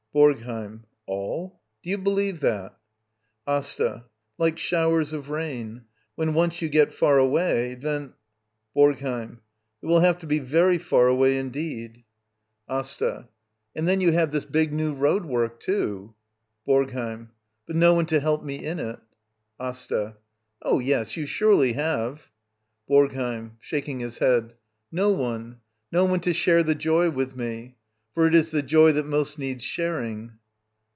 BoRGHEiM. All? Do you believe that? Asta. Like showers of rain.^* When once you get far away, then — BoRGHEiM. It will have to be very far away, in deed. Digitized by VjOOQIC Act III. «s LITTLE EYOLF AsTA. And then you have this big new road work, too. BoRGHEiM. But no one to help me in it. AsTA. Oh, yes, you surely have. BoRGHEiM. [Shaking his head.] No one. No . onc^to share the joy with me. For it is the joy that *^ost needs sharing.